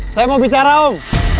saya mau bicara om